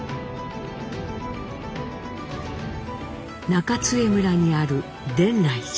中津江村にある伝来寺。